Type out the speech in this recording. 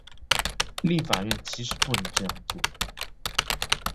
立法院其實不能這樣做